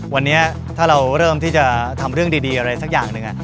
วันนี้ถ้าเราเริ่มที่จะทำเรื่องดีอะไรสักอย่างหนึ่ง